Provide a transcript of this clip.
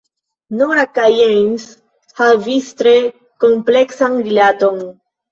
Nora kaj James havis tre kompleksan rilaton.